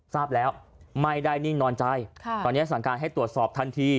ทราบแล้วไม่ได้นิ่งนอนใจตอนนี้สั่งการให้ตรวจสอบทันที